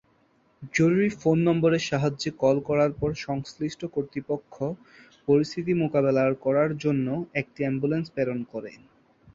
জরুরি ফোন নম্বরের সাহায্যে কল করার পর সংশ্লিষ্ট কর্তৃপক্ষ পরিস্থিতি মোকাবেলা করার জন্য একটি অ্যাম্বুলেন্স প্রেরণ করে।